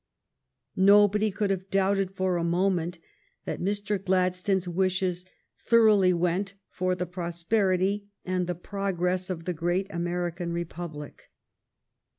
Nobody could have doubted for a moment that Mr. Gladstone's wishes thor oughly went for the prosperity and the progress of the great American Republic.